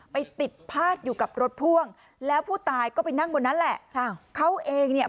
ไปติดพาดอยู่กับรถพ่วงแล้วผู้ตายก็ไปนั่งบนนั้นแหละ